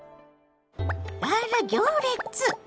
あら行列！